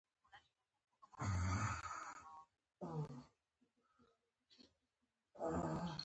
بیا مې یوه وړوکې ډبه چې دوی ګنډولا بلله.